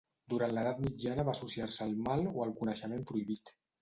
Durant l'edat mitjana va associar-se al mal o al coneixement prohibit.